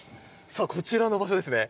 さあこちらの場所ですね